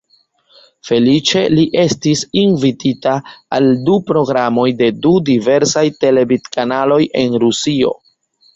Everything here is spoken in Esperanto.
Feliĉe, li estis invitita al du programoj de du diversaj televid-kanaloj en Rusio.